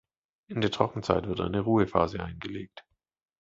In der Trockenzeit wird eine Ruhephase eingelegt.